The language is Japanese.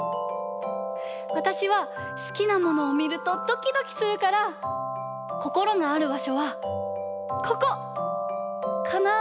わたしは好きなものをみるとドキドキするからこころのあるばしょはここ！かなぁ？